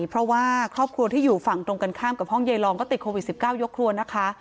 เพราะว่าครอบครัวที่อยู่ฝั่งตรงกันข้ามกับห้องใยรองก็ติดโควิด๑๙ยกครัวนะคะ